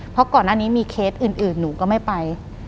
เพราะก่อนหน้านี้มีเคสอื่นหนูก็ไม่ไป